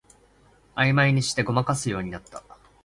あいまいにしてごまかすようになった